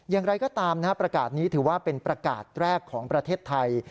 อย่างไรก็ตามประกาศนี้ถือว่าเป็นประกาศแรกของประเทศไทย